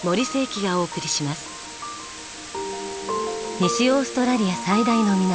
西オーストラリア最大の港